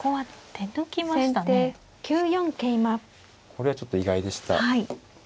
これはちょっと意外でした。